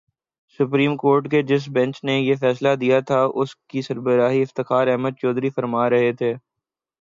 Supreme Court کے جس bench نے یہ فیصلہ دیا تھا، اس کی سربراہی افتخار محمد چودھری فرما رہے تھے۔